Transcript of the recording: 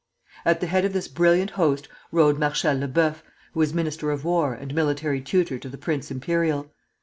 At the head of this brilliant host rode Marshal Le Buf, who was minister of war and military tutor to the Prince Imperial.